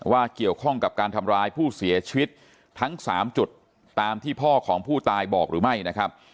เกี่ยวข้องกับการทำร้ายผู้เสียชีวิตทั้ง๓จุดตามที่พ่อของผู้ตายบอกหรือไม่นะครับ